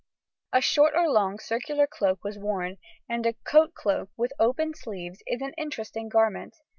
A short or long circular cloak was worn, and a coat cloak with opened sleeves is an interesting garment.